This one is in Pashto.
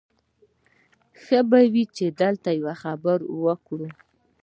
ښه به وي چې دلته یوه خبره وکړو